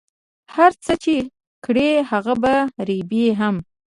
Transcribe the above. هر څه چی کری هغه به ریبی هم